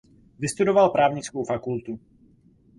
Vystudoval právnickou fakultu.